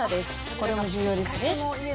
これも重要ですね。